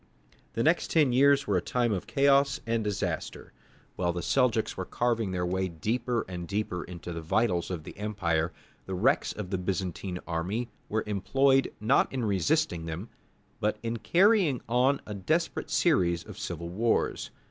The next ten years were a time of chaos and disaster. While the Seljouks were carving their way deeper and deeper into the vitals of the empire, the wrecks of the Byzantine army were employed not in resisting them, but in carrying on a desperate series of civil wars.